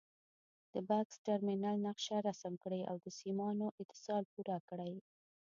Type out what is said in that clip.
د بکس ټرمینل نقشه رسم کړئ او د سیمانو اتصال پوره کړئ.